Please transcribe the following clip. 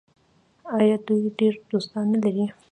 آیا دوی ډیر دوستان نلري؟